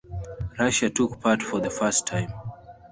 Russia took part for the first time.